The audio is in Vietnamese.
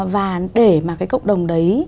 và để mà cái cộng đồng đấy